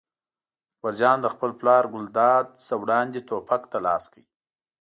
اکبر جان له خپل پلار ګلداد نه وړاندې ټوپک ته لاس کړ.